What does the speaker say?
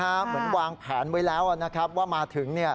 เหมือนวางแผนไว้แล้วนะครับว่ามาถึง